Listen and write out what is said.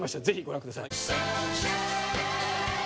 ぜひご覧ください。